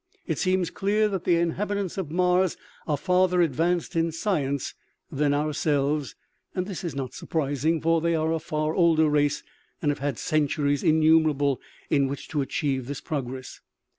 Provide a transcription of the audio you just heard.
It seems clear that the inhabitants of Mars are farther advanced in science than ourselves, and this is not surprising, for they are a far older race and have had centuries innumerable in which to achieve this progress.